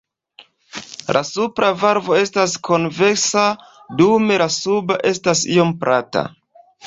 La supra valvo estas konveksa dum la suba estas iom plata.